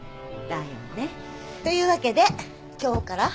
だよね。というわけで今日から。